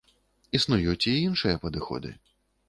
Існуюць і іншыя падыходы.